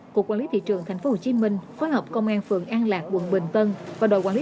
cục quản lý thị trường tp hcm phối hợp công an phường an lạc quận bình tân và đội quản lý